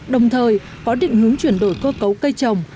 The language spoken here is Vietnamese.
đồng thời có định hướng chuyển đổi cơ cấu cây trồng